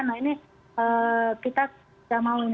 nah ini kita tidak mau ini